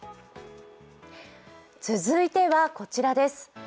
続いてはこちらです。